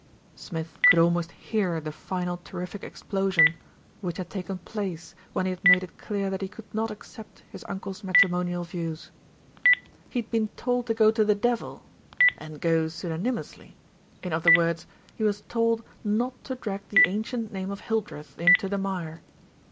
Smith could almost hear the final terrific explosion 18 THE RETURN OF ALFRED which had taken place when he had made it clear that he could not accept his uncle's matrimonial views. He had been told to go to the devil, and go pseudony mously, in other words he was told not to drag the ancient name of Hildreth into the mire.